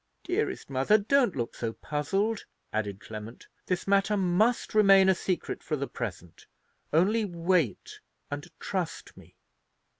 Dearest mother, don't look so puzzled," added Clement; "this matter must remain a secret for the present. Only wait, and trust me."